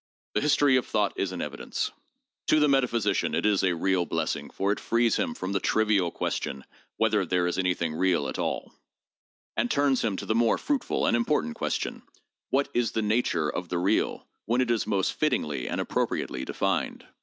The history of thought is in evidence. To the metaphysician it is a real blessing, for it frees him from the trivial question whether there is anything real at all, and turns him to the more fruitful and important question, what is the nature of the real, when is it most fittingly and appropriately defined